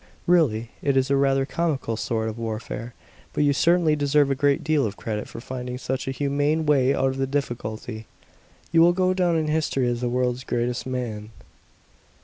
"Really, it is a rather comical sort of warfare. But you certainly deserve a great deal of credit for finding such a humane way out of the difficulty. You will go down in history as the world's greatest man!"